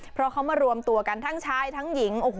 เพราะเขามารวมตัวกันทั้งชายทั้งหญิง